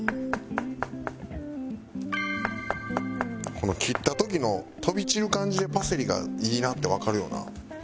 この切った時の飛び散る感じでパセリがいいなってわかるよな。